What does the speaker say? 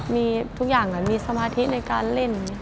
มีทุกอย่างมีสมาธิในการเล่น